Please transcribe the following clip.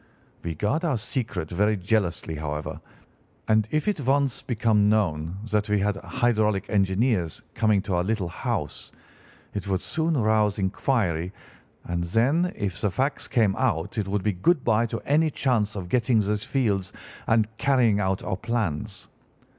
We guard our secret very jealously, however, and if it once became known that we had hydraulic engineers coming to our little house, it would soon rouse inquiry, and then, if the facts came out, it would be good bye to any chance of getting these fields and carrying out our plans.